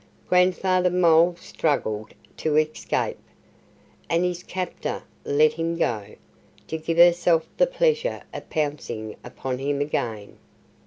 Grandfather Mole struggled to escape. And his captor let him go, to give herself the pleasure of pouncing upon him again.